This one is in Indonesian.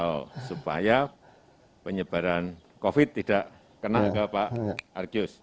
oh supaya penyebaran covid sembilan belas tidak kena sama pak argyus